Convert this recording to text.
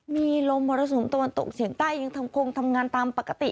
มีลมมรสุมตะวันตกเฉียงใต้ยังคงทำงานตามปกติ